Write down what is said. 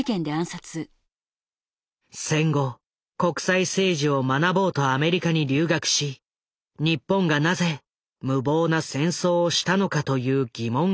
戦後国際政治を学ぼうとアメリカに留学し日本がなぜ無謀な戦争をしたのかという疑問が湧き上がった。